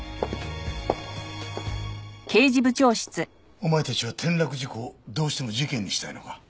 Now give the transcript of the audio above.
お前たちは転落事故をどうしても事件にしたいのか。